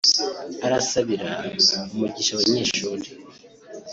arasabira umugisha abanyeshuri